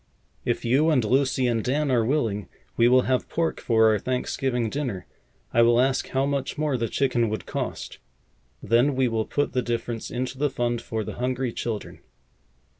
If you and Lucy and Dan are willing, we will have pork for our Thanksgiving dinner. I will ask how much more the chicken would cost. Then we will put the difference into the fund for the hungry children."